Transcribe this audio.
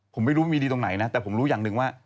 ผมไม่รู้มีดีตรงไหนนะแต่ผมรู้อย่างหนึ่งว่า